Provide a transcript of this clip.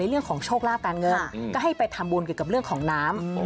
เรื่องของโชคลาภการเงินก็ให้ไปทำบุญเกี่ยวกับเรื่องของน้ำ